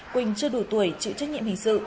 quỳnh chưa đủ tuổi chịu trách nhiệm hình sự